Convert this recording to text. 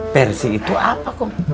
persi itu apa